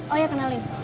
oh ya kenalin